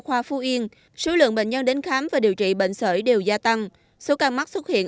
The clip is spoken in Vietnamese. khoa phú yên số lượng bệnh nhân đến khám và điều trị bệnh sởi đều gia tăng số ca mắc xuất hiện